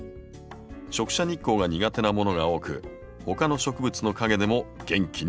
直射日光が苦手なものが多く他の植物の陰でも元気に育ちます。